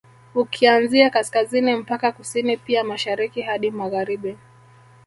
Ukianzia Kaskazini mpaka Kusini pia Mashariki hadi Magharibi